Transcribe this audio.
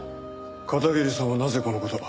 片桐さんはなぜこの事を。